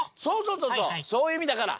そうそうそういういみだから。